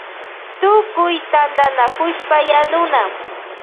Tutkuy tantanakushpa yanuna.